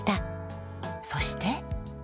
そして。